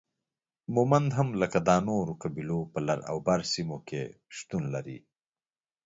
مومند هم لکه دا نورو قبيلو په لر او بر سیمو کې شتون لري